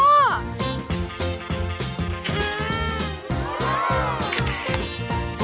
ว้าว